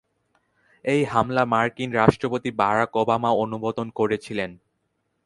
এই হামলা মার্কিন রাষ্ট্রপতি বারাক ওবামা অনুমোদন করেছিলেন।